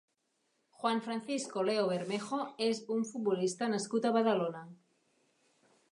Juan Francisco Leo Bermejo és un futbolista nascut a Badalona.